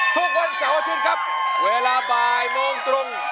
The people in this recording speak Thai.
ทุกวันเสาร์อาทิตย์ครับเวลาบ่ายโมงตรง